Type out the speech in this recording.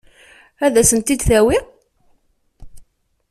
Ad sen-t-id-tawi?